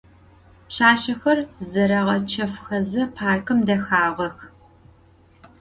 Pşsaşsexer zereğeçefxeze parkım dehağex.